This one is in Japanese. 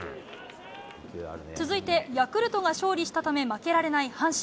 続いてヤクルトが勝利したため負けられない阪神。